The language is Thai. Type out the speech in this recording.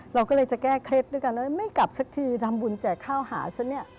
เราก็เลยจะแก้เคล็ดด้วยกันแล้วไม่กลับสักทีทำบุญแจกข้าวหาซะเนี่ย